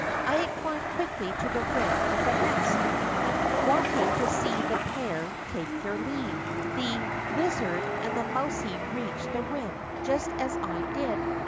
I had climbed quickly to the rim of the nest, wanting to see the pair take their leave. The THE GREEN FROG 93 lizard and the mouse reached the rim just as I did.